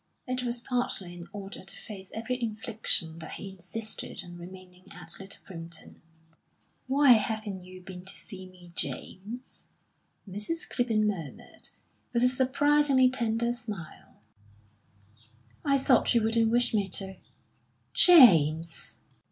It was partly in order to face every infliction that he insisted on remaining at Little Primpton. "Why haven't you been to see me, James?" Mrs. Clibborn murmured, with a surprisingly tender smile. "I thought you wouldn't wish me to." "James!"